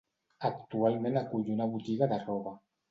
Actualment acull una botiga de roba.